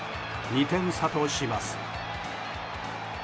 ２点差とします。